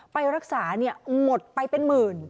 ไปรักษาหมดไปเป็นหมื่น